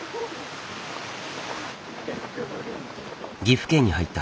岐阜県に入った。